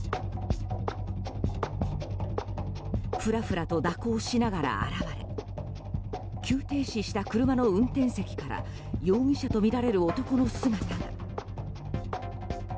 フラフラと蛇行しながら現れ急停止した車の運転席から容疑者とみられる男の姿が。